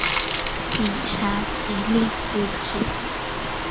警察极力自制